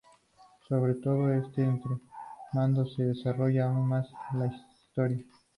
Sobre todo este entramado se desarrollará aún más la historia.